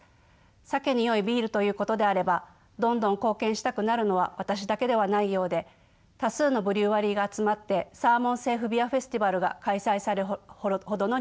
サケによいビールということであればどんどん貢献したくなるのは私だけではないようで多数のブリュワリーが集まってサーモン・セーフビアフェスティバルが開催されるほどの人気です。